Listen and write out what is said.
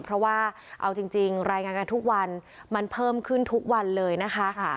เพราะว่าเอาจริงรายงานกันทุกวันมันเพิ่มขึ้นทุกวันเลยนะคะ